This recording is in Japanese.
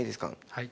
はい。